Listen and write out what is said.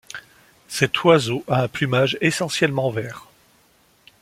Cet oiseau a un plumage essentiellement vert.